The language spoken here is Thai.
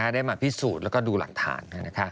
ได้มาพิสูจน์แล้วก็ดูหลักฐาน